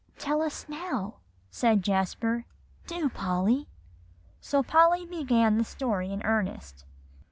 "Tell us now," said Jasper; "do, Polly." So Polly began the story in earnest.